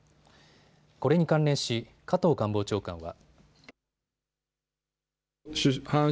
これに関連し、加藤官房長官は。